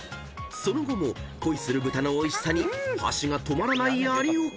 ［その後も恋する豚のおいしさに箸が止まらない有岡］